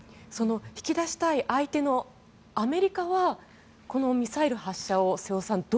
その引き出したい相手のアメリカはこのミサイル発射を瀬尾さん